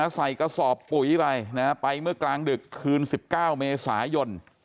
ใส่กระสอบปุ๋ยไปไปเมื่อกลางดึกคืน๑๙เมษายน